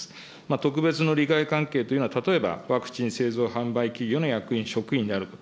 特別の利害関係というのは、例えば、ワクチン製造販売企業の役員、職員であること。